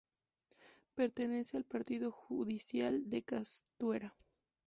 Pertenece al Partido judicial de Castuera.